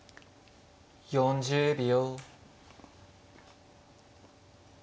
４０秒。